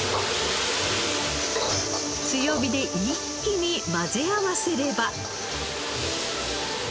強火で一気に混ぜ合わせれば。